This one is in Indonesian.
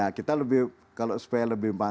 ya kita lebih kalau supaya lebih mantan ya